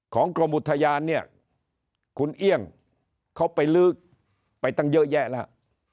กรมอุทยานเนี่ยคุณเอี่ยงเขาไปลื้อไปตั้งเยอะแยะแล้ว